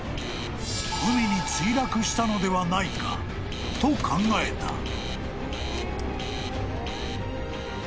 ［海に墜落したのではないかと考えた］